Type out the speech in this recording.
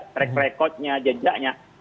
track record nya jejaknya